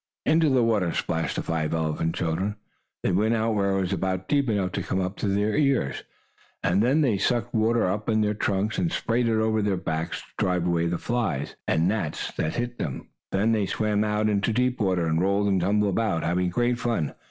Into the water splashed the five elephant children. They went out where it was about deep enough to come up to their ears, and then they sucked water up in their trunks and sprayed it over their backs, to drive away the flies and gnats that bit them. Then they swam out into deep water, and rolled and tumbled about, having great fun.